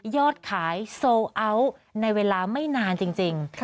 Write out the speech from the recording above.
ยอดขายโซลอัลในเวลาไม่นานจริง